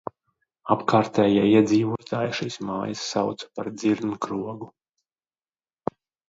"Apkārtējie iedzīvotāji šīs mājas sauca par "Dzirnkrogu"."